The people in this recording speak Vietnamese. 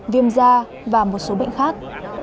viêm da và một số bệnh khác